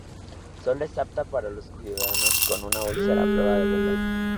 solo es apta para los ciudadanos con una úlcera a prueba de bombas